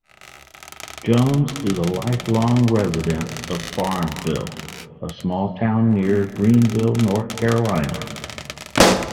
Jones is a lifelong resident of Farmville, a small town near Greenville, North Carolina.